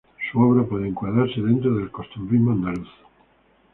Su obra puede encuadrarse dentro del costumbrismo andaluz.